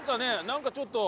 なんかちょっと。